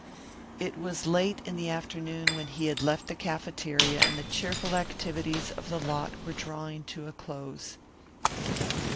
It was late in the afternoon when he left the cafeteria and the cheerful activities of the lot were drawing to a close.